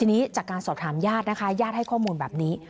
นางอุทิศรู้ตามว่ามีให้โดยรักแห่งคนหายดี